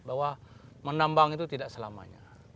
bahwa menambang itu tidak selamanya